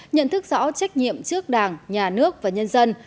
nhận thức rõ trách nhiệm trước đảng nhà nước và nhân dân